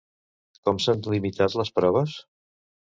Com s'han limitat les proves?